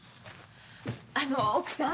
あの奥さん。